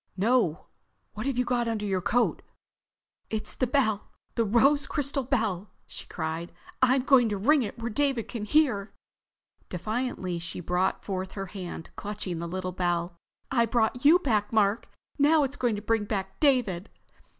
"No! What have you got under your coat?" "It's the bell, the rose crystal bell!" she cried. "I'm going to ring it where David can hear!" Defiantly she brought forth her hand, clutching the little bell. "It brought you back, Mark! Now it's going to bring back David!"